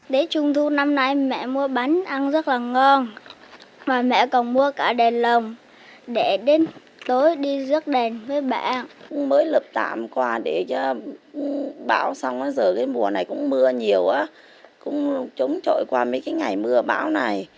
đến trung thu năm nay mẹ mua bánh ăn rất là ngon